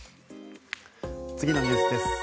次のニュースです。